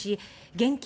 現金